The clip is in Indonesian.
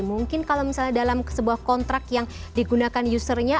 mungkin kalau misalnya dalam sebuah kontrak yang digunakan usernya